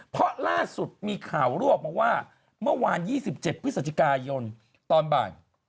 เพราะล่าสุดมีข่าวรวบมาว่าเมื่อวาน๒๗พฤศจิกายนตอนบ่าย